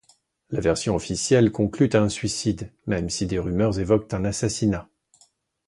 La version officielle conclut à un suicide, même si des rumeurs évoquent un assassinat.